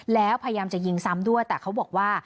แล้วพยายามจะยิงซ้ำด้วยแต่เขาบอกว่า